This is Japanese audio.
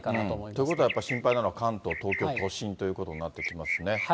ということはやっぱり、心配なのは関東、東京都心ということになってきますね。